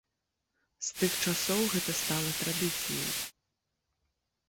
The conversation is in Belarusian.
З тых часоў гэта стала традыцыяй.